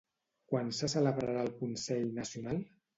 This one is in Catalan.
Quan se celebrarà el consell nacional?